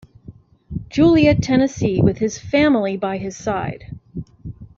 Juliet, Tennessee with his family by his side.